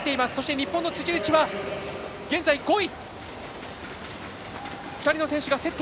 日本の辻内は現在５位！